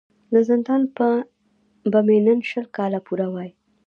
د زندان به مي نن شل کاله پوره وای